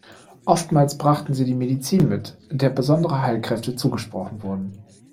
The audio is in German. Oftmals brachten sie die „Medizin“ mit, der besondere Heilkräfte zugesprochen wurden.